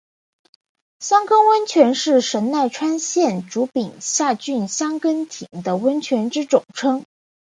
箱根温泉是神奈川县足柄下郡箱根町的温泉之总称。